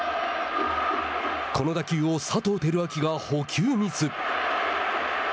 この打球を佐藤輝明が捕球ミス。